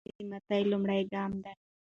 ناهیلي د ماتې لومړی ګام دی.